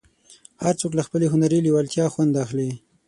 هر څوک له خپلې هنري لېوالتیا خوند اخلي.